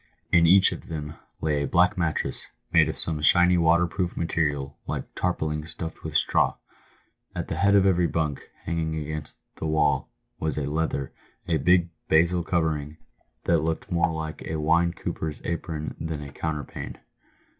In each of them lay a black mattress, made of some shiny waterproof material, like tarpauling stuffed with straw. At the head of every bunk, hanging against the wall, was a leather, a big " basil" covering, that looked more like a wine cooper's apron than a counterpane.